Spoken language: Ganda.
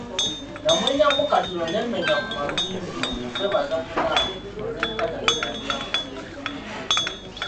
Namwenyaamu katono ne mmenya ku maviivi okwebaza munnange olw'enkata gye yali ankubyeko.